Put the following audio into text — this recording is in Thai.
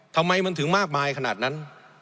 ทำไมมันถึงมากมายขนาดนั้น